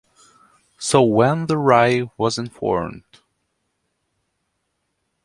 So when the Rai was informed.